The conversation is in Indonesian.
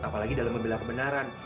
apalagi dalam membela kebenaran